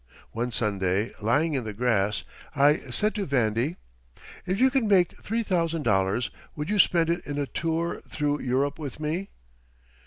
One Sunday, lying in the grass, I said to "Vandy": "If you could make three thousand dollars would you spend it in a tour through Europe with me?"